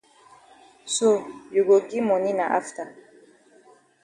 So you go gi moni na afta.